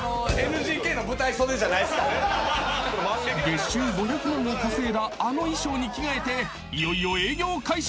［月収５００万を稼いだあの衣装に着替えていよいよ］